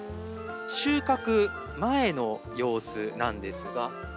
収穫前の様子なんですが